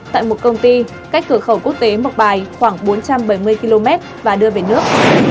tại một công ty cách cửa khẩu quốc tế mộc bài khoảng bốn trăm bảy mươi km và đưa về nước